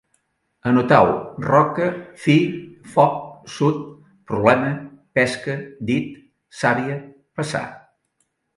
Anotau: roca, fi, foc, sud, problema, peça, dit, sabia, passar